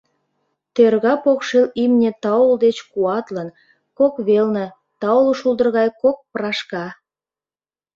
Тӧрга покшел имне таул деч куатлын, кок велне — таул шулдыр гай кок прашка.